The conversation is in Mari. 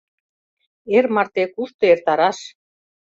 Эр марте кушто эртараш?